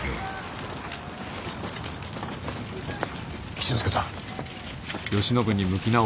吉之助さあ。